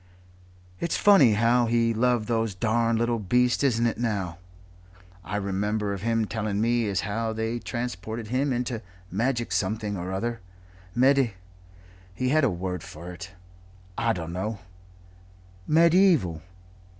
"It's funny how he loved those darned little beasts, isn't it now? I remember of him telling me as how they transported him into magic something or the other medi he had a word for it I dunno " "Mediaeval?"